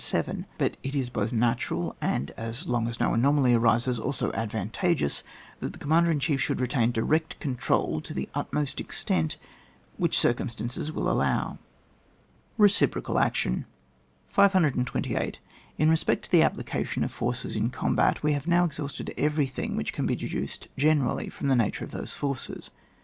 But ii is both natural, and as long as no anomaly arises, also advan tageous, that the commander in chief should retain direct control to the ut most extent which circumstances will allow. Reciprocal Action, 528. In respect to the application of forces in combat, we have now exhausted everything which can be deduced gene rally from the nature of those forces.